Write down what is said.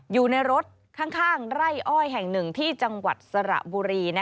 อยู่ในรถข้างไร่อ้อยแห่งหนึ่งที่จังหวัดสระบุรี